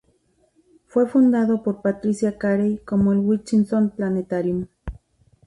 Fue fundado por Patricia Carey como el Hutchinson Planetarium.